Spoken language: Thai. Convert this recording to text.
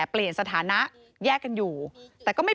พี่ลองคิดดูสิที่พี่ไปลงกันที่ทุกคนพูด